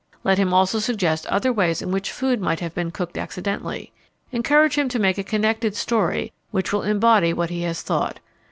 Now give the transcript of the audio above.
Let him also suggest other ways in which food might have been cooked accidentally. Encourage him to make a connected story which will embody what he has thought.